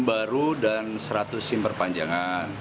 baru dan seratus sim perpanjangan